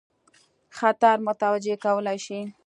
خطر متوجه کولای شي.